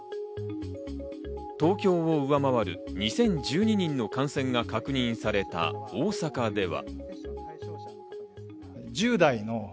東京を上回る２０１２人の感染が確認された大阪では。